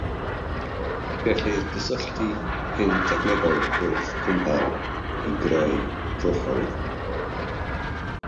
Gellir cysylltu pin technegol wrth gwmpawd i greu cylchoedd.